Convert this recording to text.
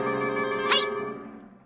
はい！